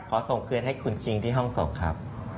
ขอส่งเครื่องให้คุณจริงที่ห้องศพครับ